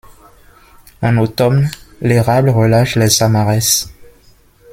En automne, l’érable relâche les samares.